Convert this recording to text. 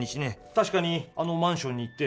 確かにあのマンションに行って